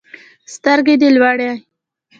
سترګي دي لوړی